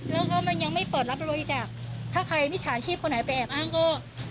แล้วก็มันยังไม่เปิดรับบริจาคถ้าใครมิจฉาชีพคนไหนไปแอบอ้างก็